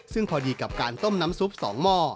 ซึ่งพอดีกับการต้มน้ำซุป๒หม้อ